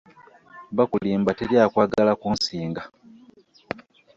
Bakulimba teri akwagala kunsinga.